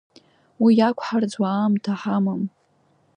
Уи иақәҳарӡуа аамҭа ҳамам.